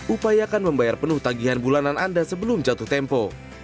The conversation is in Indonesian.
upayakan membayar penuh tagihan bulanan anda sebelum jatuh tempo